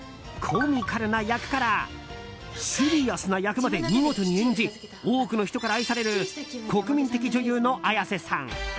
コミカルな役からシリアスな役まで見事に演じ多くの人から愛される国民的女優の綾瀬さん。